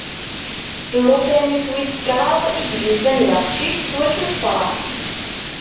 Llufan-is wis kraḍ i d-yusan d aqcic s wacu tefreḥ.